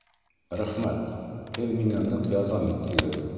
Рәхмәт, һеҙ миңә ныҡ ярҙам иттегеҙ